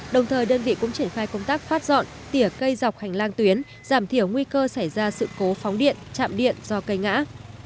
đồng thời đơn vị cũng triển khai công tác phát dọn tỉa cây dọc hành lang tuyến giảm thiểu nguy cơ xảy ra sự cố phóng điện chạm điện do cây ngã